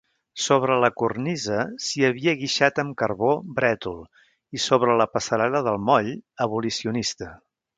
Sobre la cornisa s'hi havia guixat amb carbó "Brètol" i sobre la passarel·la del moll "Abolicionista".